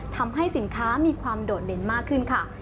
ทำให้สินค้ามีความโดดเด่นมากขึ้นค่ะ